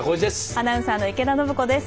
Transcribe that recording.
アナウンサーの池田伸子です。